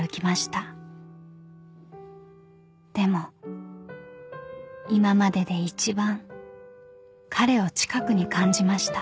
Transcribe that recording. ［でも今までで一番彼を近くに感じました］